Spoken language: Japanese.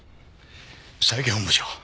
佐伯本部長。